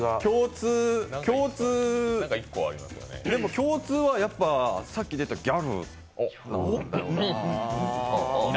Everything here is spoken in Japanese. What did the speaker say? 共通は、やっぱさっき出たギャルかな？